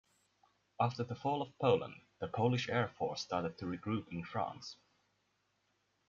After the fall of Poland, the Polish Air Force started to regroup in France.